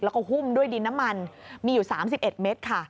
แล้วก็หุ้มด้วยดินน้ำมันมีอยู่๓๑เมตรค่ะ